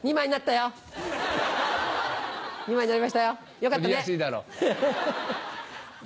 よかったね。